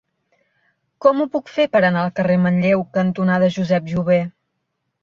Com ho puc fer per anar al carrer Manlleu cantonada Josep Jover?